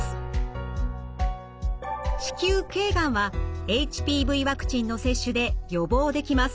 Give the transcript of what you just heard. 子宮頸がんはＨＰＶワクチンの接種で予防できます。